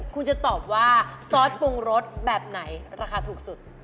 คุณจะตอบว่าซอสปรุงรสแบบไหนราคาถูกสุด